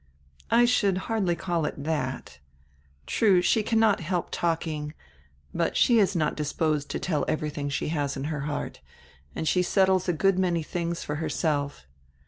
" "I should hardly call it that. True, she cannot help talking, but she is not disposed to tell everything she has in her heart, and she settles a good many tilings for her self.